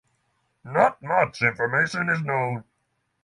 Not much information is known.